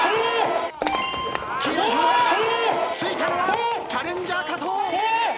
ついたのはチャレンジャー加藤。